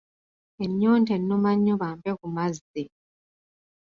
Ennyonta ennuma nnyo bampe ku mazzi